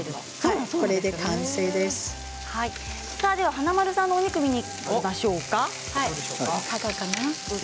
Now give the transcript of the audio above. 華丸さんのお肉を見ましょうか。